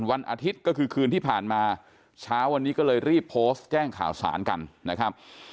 วันอาทิตย์ก็คือคืนที่ผ่านมาเช้าวันนี้ก็เลยรีบโพสต์แจ้งข่าวสารกันนะครับ